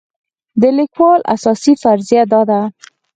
د لیکوال اساسي فرضیه دا ده.